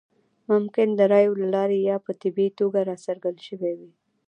ممکن د رایو له لارې یا په طبیعي توګه راڅرګند شوی وي.